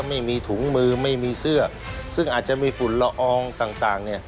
ไม่มีถุงมือไม่มีเสื้อซึ่งอาจจะมีฝุ่นละอองต่างต่างเนี่ย